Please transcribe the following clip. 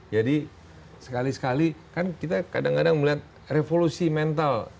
jadi sekali sekali kan kita kadang kadang melihat revolusi mental